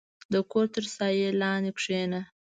• د کور تر سایې لاندې کښېنه.